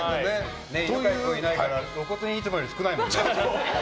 犬飼君がいないから露骨にいつもより少ないもんね。